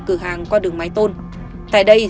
cửa hàng qua đường mái tôn tại đây